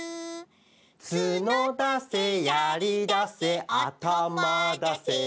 「つのだせやりだせあたまだせ」